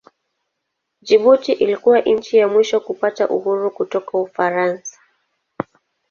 Jibuti ilikuwa nchi ya mwisho kupata uhuru kutoka Ufaransa.